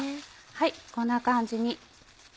こんな感じに。